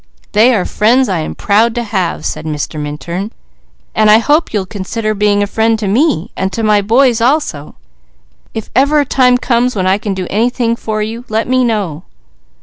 "They are friends I'm proud to have," said Mr. Minturn. "And I hope you'll consider being a friend to me, and to my boys also. If ever a times comes when I can do anything for you, let me know."